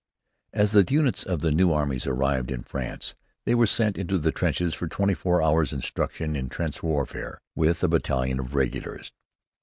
As the units of the new armies arrived in France, they were sent into the trenches for twenty four hours' instruction in trench warfare, with a battalion of regulars.